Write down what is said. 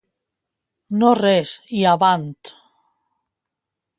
No res i avant!